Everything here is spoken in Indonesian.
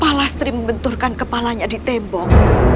palastri membenturkan kepalanya di tembok